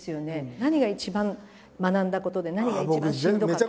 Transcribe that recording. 何が一番学んだことで何が一番しんどかった。